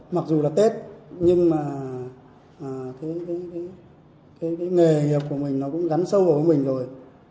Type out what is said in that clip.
mặc dù là tết nhưng mà cái nghề nghiệp của mình nó cũng gắn sâu vào với mình rồi